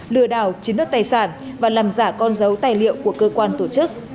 lừa đảo chiến đoạt tài sản và làm giả con dấu tài liệu của cơ quan tổ chức